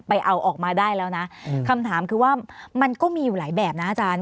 เอาออกมาได้แล้วนะคำถามคือว่ามันก็มีอยู่หลายแบบนะอาจารย์